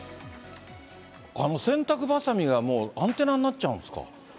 あの洗濯ばさみがアンテナになっちゃうんですか。